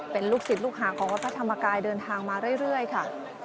เป็นลูกศิษย์ลูกหาของวัดพระธรรมกายเดินทางมาเรื่อยค่ะ